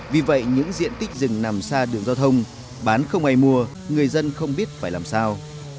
vì vậy những diện tích rừng nằm xa đường giao thông bán không ai mua người dân không biết phải làm sao